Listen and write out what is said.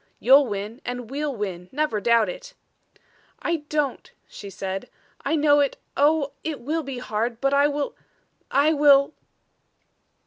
You'll win and we'll win, never doubt it." "I don't," she said. "I know it oh, it will be hard but I will I will " CHAPTER XV.